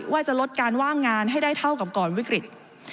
ว่าจะลดการว่างงานให้ได้เท่ากับก่อนวิกฤต